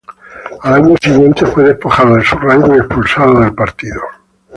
Al año siguiente, fue despojado de su rango y expulsado del partido.